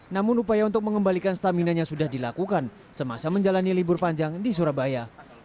namun upaya untuk mengembalikan staminanya sudah dilakukan semasa menjalani libur panjang di surabaya